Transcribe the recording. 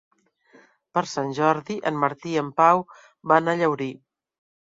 Per Sant Jordi en Martí i en Pau van a Llaurí.